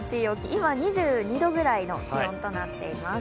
今、２２度くらいの気温となっています。